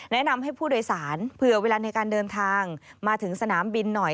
แนะนำให้ผู้โดยสารเผื่อเวลาในการเดินทางมาถึงสนามบินหน่อย